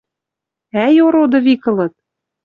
Ӓй ороды вик ылыт?